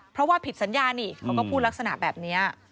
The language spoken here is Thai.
เพราะว่าผิดสัญญานี่เขาก็พูดลักษณะแบบนี้